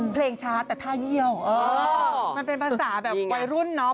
เพลงช้าแต่ท่าเยี่ยวมันเป็นภาษาแบบวัยรุ่นเนาะ